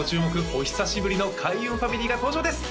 お久しぶりの開運ファミリーが登場です